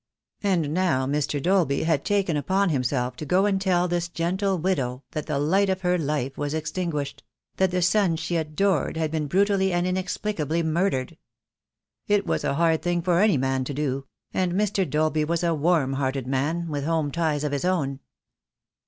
And now Mr. Dolby had taken upon himself to go and tell this gentle widow that the light of her life was extinguished; that the son she adored had been brutally and inexplicably murdered. It was a hard thing for any man to do; and Mr. Dolby was a warm hearted man, with home ties of his own.